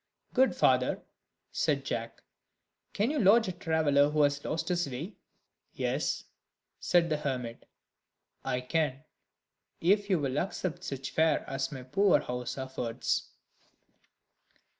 "Good father," said Jack, "can you lodge a traveller who has lost his way?" "Yes," said the hermit, "I can, if you will accept such fare as my poor house affords."